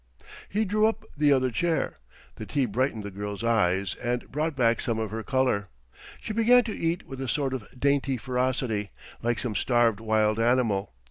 He drew up the other chair. The tea brightened the girl's eyes and brought back some of her colour. She began to eat with a sort of dainty ferocity like some starved wild animal.